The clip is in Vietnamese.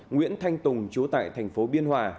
nguyễn thanh tùng chú tại thành phố biên hòa